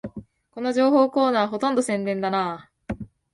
この情報コーナー、ほとんど宣伝だな